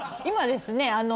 今ですね